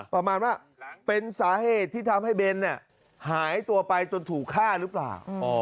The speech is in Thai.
ประมาณว่าเป็นสาเหตุที่ทำให้เบนหายตัวไปจนถูกฆ่าหรือเปล่า